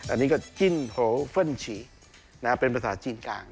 อันนี้ก็จิ้นโฮเฟิลฉี่เป็นภาษาจีนกลาง